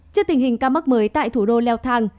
trước tình hình ca mắc mới tại thủ đô leothai